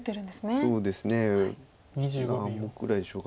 そうですね。何目ぐらいでしょうか。